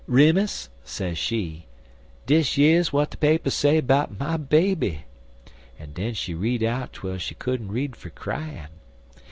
"'Remus,' sez she, 'dish yer's w'at de papers say 'bout my baby,' en den she'd read out twel she couldn't read fer cryin'.